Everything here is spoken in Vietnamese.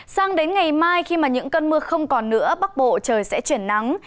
sang đến ngày mai khi những cơn mưa không còn nữa bắc bộ trời sẽ chuyển nắng